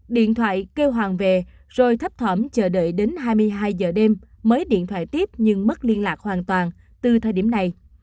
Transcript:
điện thoại kêu hoàng về rồi thấp thỏm chờ đợi đến hai mươi hai giờ đêm mới điện thoại tiếp nhưng mất liên lạc hoàn toàn từ thời điểm này